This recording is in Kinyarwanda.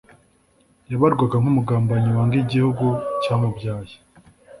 yabarwaga nk'umugambanyi wanga igihugu cyamubyaye.